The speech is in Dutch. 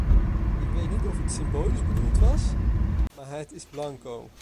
Ik weet niet of het symbolisch bedoeld was, maar het is blanco!